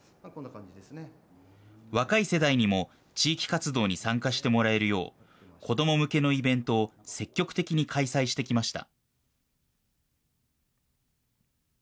若い世代にも地域活動に参加してもらえるよう、子ども向けのイベントを積極的に開催してきました。